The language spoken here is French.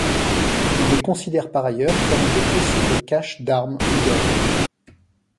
Ils les considèrent par ailleurs comme de possibles caches d'armes ou d'or.